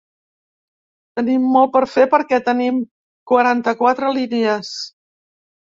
Tenim molt per fer perquè tenim quaranta-quatre línies.